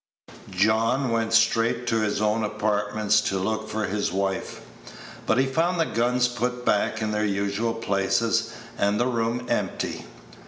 John went straight to his own apartment to look for his wife; but he found the guns put back in their usual places, and the room empty.